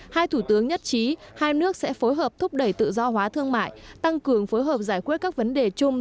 hai thủ tướng nhất trí hai nước sẽ phối hợp thúc đẩy tự do hóa thương mại tăng cường phối hợp giải quyết các vấn đề chung